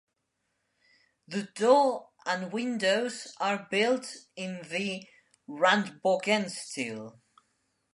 The door and windows are built in the Rundbogenstil.